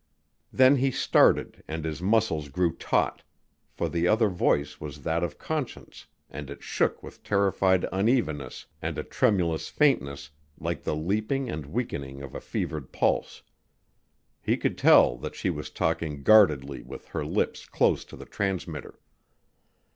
Then he started and his muscles grew taut, for the other voice was that of Conscience and it shook with terrified unevenness and a tremulous faintness like the leaping and weakening of a fevered pulse. He could tell that she was talking guardedly with her lips close to the transmitter.